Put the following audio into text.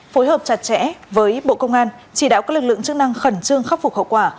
phối hợp chặt chẽ với bộ công an chỉ đạo các lực lượng chức năng khẩn trương khắc phục hậu quả